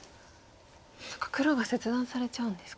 そっか黒が切断されちゃうんですか。